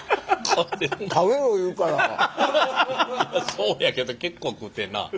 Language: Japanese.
そうやけど結構食うてんな。